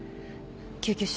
救急車。